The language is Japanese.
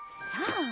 さあ。